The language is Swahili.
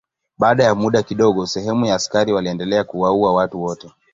Baada ya muda kidogo sehemu ya askari waliendelea kuwaua watu wote.